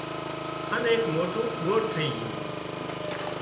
هانَ ايڪ موٽون ڳوٺ ٿئي جھون